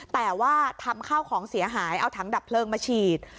แต่ว่าทำข้าวของเสียหายเอาถังดับเพลิงมาฉีด